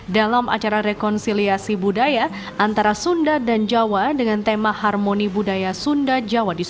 dalam acara rekonsiliasi budaya antara sunda dan jawa dengan tema harmoni budaya sunda jawa